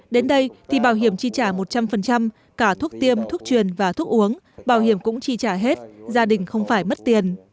đến đây thì bảo hiểm chi trả một trăm linh cả thuốc tiêm thuốc truyền và thuốc uống bảo hiểm cũng chi trả hết gia đình không phải mất tiền